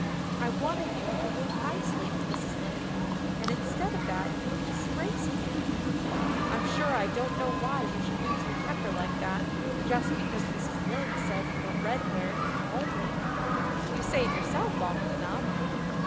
I wanted you to behave nicely to Mrs. Lynde, and instead of that you have disgraced me. I'm sure I don't know why you should lose your temper like that just because Mrs. Lynde said you were red haired and homely. You say it yourself often enough."